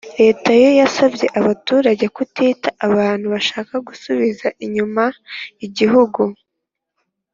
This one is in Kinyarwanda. leta yo yasabye abaturage kutita kubantu bashaka gusubiza inyuma igihugu